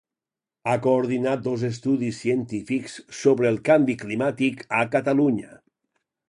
Ha coordinat dos estudis científics sobre el canvi climàtic a Catalunya.